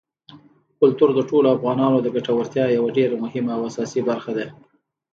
کلتور د ټولو افغانانو د ګټورتیا یوه ډېره مهمه او اساسي برخه ده.